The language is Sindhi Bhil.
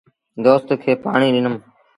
دوست کي پآڻي ڏنم۔